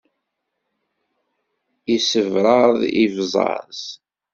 Yessebṛaḍ ibẓaẓ.